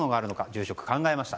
住職、考えました。